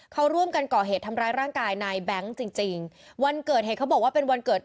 เขาร่วมกันก่อเหตุทำร้ายร่างกายนายแบงค์จริงจริงวันเกิดเหตุเขาบอกว่าเป็นวันเกิด